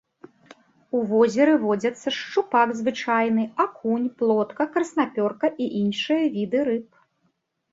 У возеры водзяцца шчупак звычайны, акунь, плотка, краснапёрка і іншыя віды рыб.